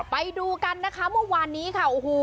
ไปดูกันนะคะเมื่อวานี้ค่ะ